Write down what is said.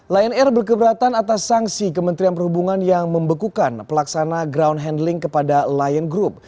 lion air berkeberatan atas sanksi kementerian perhubungan yang membekukan pelaksana ground handling kepada lion group